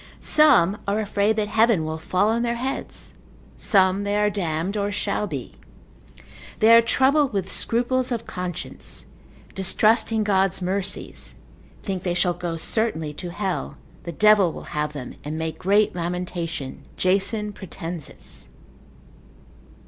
Some are afraid that heaven will fall on their heads: some they are damned, or shall be. They are troubled with scruples of consciences, distrusting God's mercies, think they shall go certainly to hell, the devil will have them, and make great lamentation, Jason Pratensis.